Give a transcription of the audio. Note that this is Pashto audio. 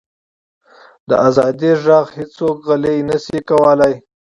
د ازادۍ ږغ هیڅوک غلی نه شي کولی.